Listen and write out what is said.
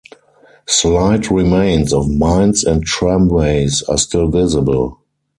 Slight remains of mines and tramways are still visible.